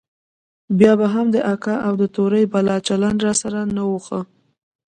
بيا به هم د اکا او د تورې بلا چلند راسره نه و ښه.